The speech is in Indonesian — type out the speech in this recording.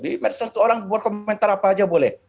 di medsos orang buat komentar apa saja boleh